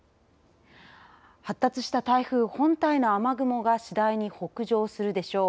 発達した台風本体の雨雲が次第に北上するでしょう。